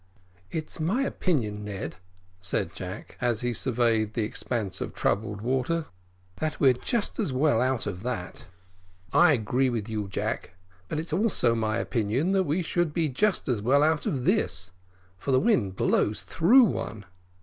"It's my opinion, Ned," said Jack, as he surveyed the expanse of troubled water, "that we're just as well out of that." "I agree with you, Jack; but it's also my opinion that we should be just as well out of this, for the wind blows through one.